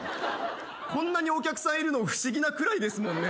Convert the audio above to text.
こんなにお客さんいるの不思議なくらいですもんね。